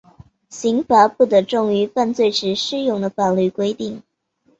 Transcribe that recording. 刑罚不得重于犯罪时适用的法律规定。